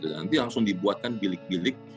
nanti langsung dibuatkan bilik bilik